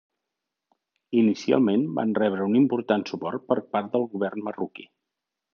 Inicialment van rebre un important suport per part del govern marroquí.